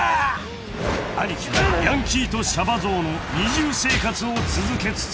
［アニキはヤンキーとシャバ僧の二重生活を続けつつ］